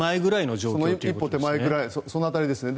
その一歩手前ぐらいその辺りですね。